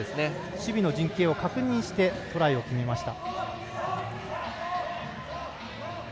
守備の陣形を確認してトライをしていきました。